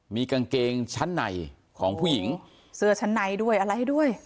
มีกางเกงชั้นในของผู้หญิงเสื้อชั้นในด้วยอะไรให้ด้วย